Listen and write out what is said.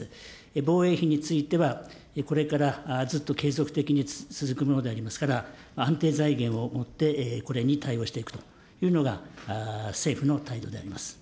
防衛費については、これからずっと継続的に続くものでありますから、安定財源をもって、これに対応していくというのが政府の態度であります。